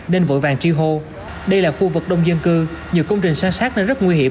nên vội vàng tri hô đây là khu vực đông dân cư nhiều công trình san sát nên rất nguy hiểm